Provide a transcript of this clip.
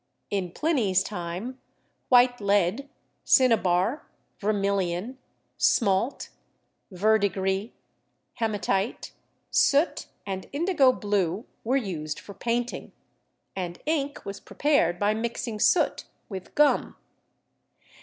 In Pliny's time, white lead, cinnabar, vermilion, smalt, verdigris, hematite, soot and indigo blue were used for painting, and ink was prepared by mixing soot with gum.